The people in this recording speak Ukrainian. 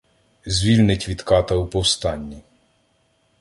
Звільнить від ката у повстанні.